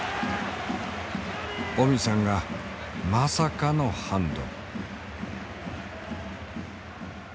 オミさんがまさかのハンド。